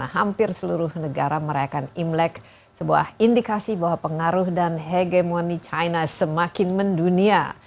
hampir seluruh negara merayakan imlek sebuah indikasi bahwa pengaruh dan hegemoni china semakin mendunia